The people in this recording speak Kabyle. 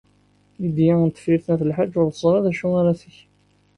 Lidya n Tifrit n At Lḥaǧ ur teẓri ara d acu ara teg.